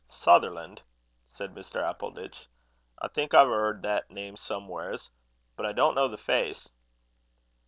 "Sutherland?" said Mr. Appleditch; "I think I've 'eard the name somewheres, but I don't know the face."